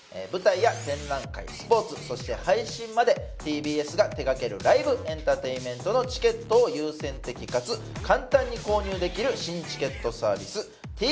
舞台や展覧会スポーツそして配信までＴＢＳが手がけるライブエンターテインメントのチケットを優先的かつ簡単に購入できる新チケットサービス